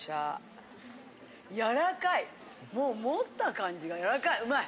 やらかいもう持った感じがやらかい。